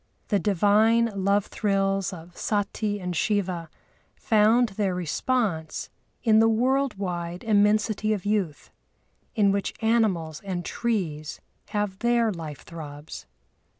The divine love thrills of Sati and Shiva found their response in the world wide immensity of youth, in which animals and trees have their life throbs.